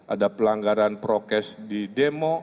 ada pelanggaran prokes di demo